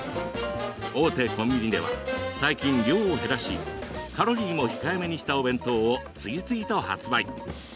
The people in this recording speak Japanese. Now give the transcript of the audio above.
大手コンビニでは最近、量を減らしカロリーも控えめにしたお弁当を次々と発売。